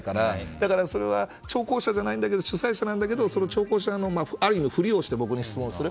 だから、聴講者じゃないんだけど主催者なんだけど聴講者の、案にふりをして僕に質問する。